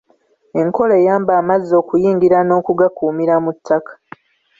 Enkola eyamba amazzi okuyingira n'okugakuumira mu ttaka.